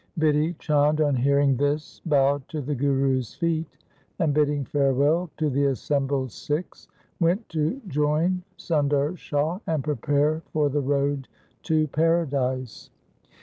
Bidhi Chand on hearing this bowed to the Guru's feet and, bidding farewell to the assembled Sikhs, went to join Sundar Shah and prepare for the road to paradise.